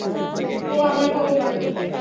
ওহ, আমার ভগবান!